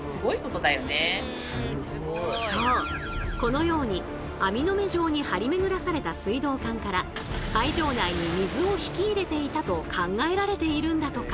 そうこのように網の目状に張り巡らされた水道管から会場内に水を引き入れていたと考えられているんだとか。